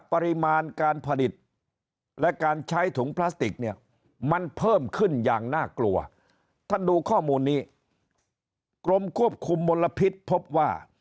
ปริมาณการผลิตและการใช้ถุงพลาสติกเนี่ยมันเพิ่มขึ้นอย่างน่ากลัวท่านดูข้อมูลนี้กรมควบคุมมลพิษพบว่า